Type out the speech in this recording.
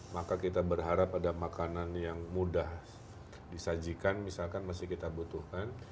maka kita berharap ada makanan yang mudah disajikan misalkan masih kita butuhkan